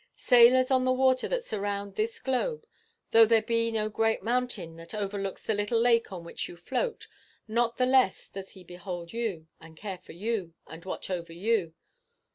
Sailors on the waters that surround this globe, though there be no great mountain that overlooks the little lake on which you float, not the less does he behold you, and care for you, and watch over you.